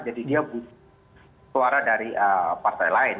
jadi dia butuh suara dari partai lain